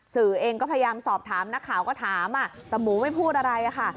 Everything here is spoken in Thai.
สื่อเองก็พยายามสอบถามนักข่าวก็ถามแต่หมูไม่พูดอะไรค่ะ